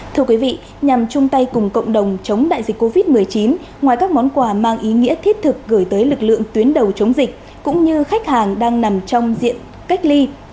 thưa quý vị nhằm chung tay cùng cộng đồng chống đại dịch covid một mươi chín ngoài các món quà mang ý nghĩa thiết thực gửi tới lực lượng tuyến đầu chống dịch cũng như khách hàng đang nằm trong diện cách ly